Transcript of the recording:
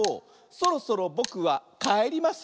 「そろそろぼくはかえります」